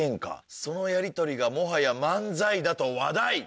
そのやりとりがもはや漫才だと話題！」。